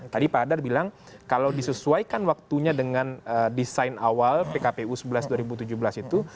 tadi pak hadar bilang kalau disesuaikan waktunya dengan desain awal pkpu sebelas dua ribu tujuh belas itu